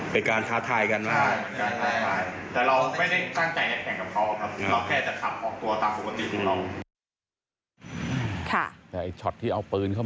โปรดติดตามการต่อมาขอวางบอก